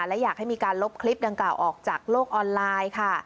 และอยากให้มีการลบคลิปดังกล่าวออกจากโลกออนไลน์ค่ะ